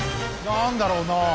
何だろうなあ。